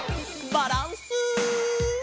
バランス。